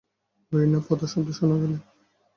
ঐ না পদশব্দ শুনা গেল?